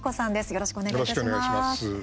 よろしくお願いします。